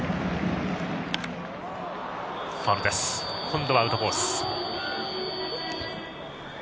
今度はアウトコース。